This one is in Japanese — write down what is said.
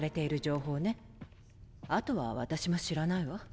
あとは私も知らないわ。